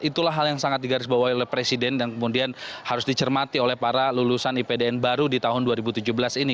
itulah hal yang sangat digarisbawahi oleh presiden dan kemudian harus dicermati oleh para lulusan ipdn baru di tahun dua ribu tujuh belas ini